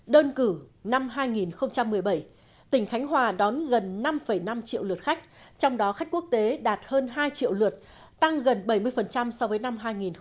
đơn cử năm hai nghìn một mươi bảy tỉnh khánh hòa đón gần năm năm triệu lượt khách trong đó khách quốc tế đạt hơn hai triệu lượt tăng gần bảy mươi so với năm hai nghìn một mươi bảy